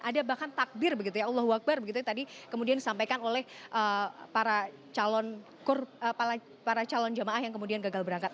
ada bahkan takbir begitu ya allah wakbar begitu ya tadi kemudian disampaikan oleh para calon jemaah yang kemudian gagal berangkat